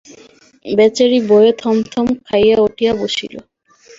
বেচারি ভয়ে থতমত খাইয়া উঠিয়া বসিল।